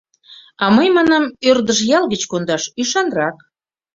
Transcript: А мый манам, ӧрдыж ял гыч кондаш ӱшанрак.